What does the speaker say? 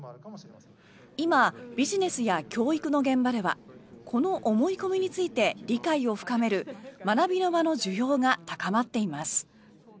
今、ビジネスや教育の現場ではこの思い込みについて理解を深める学びの場の需要が高まっています。